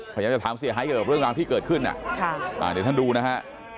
พยายามจะถามเสียหายเกี่ยวกับเรื่องราวที่เกิดขึ้นเดี๋ยวท่านดูนะฮะ